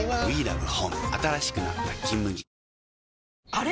あれ？